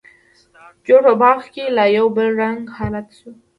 جوړ په باغ کې لا یو بل رنګه حالت شو.